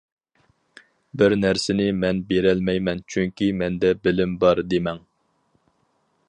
بىر نەرسىنى مەن بېرەلەيمەن چۈنكى مەندە بىلىم بار دېمەڭ.